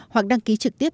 hoặc đăng ký trực tiếp